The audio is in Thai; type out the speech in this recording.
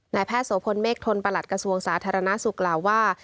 แพทย์โสพลเมฆทนประหลัดกระทรวงสาธารณสุขกล่าวว่า